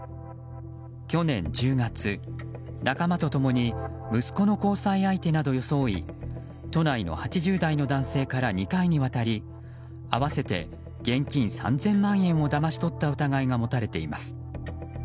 去年１０月、仲間と共に息子の交際相手などを装い都内の８０代の男性から２回にわたり合わせて現金３０００万円をだまし取った疑いが持たれています。